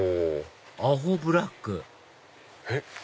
「アホブラック」えっ？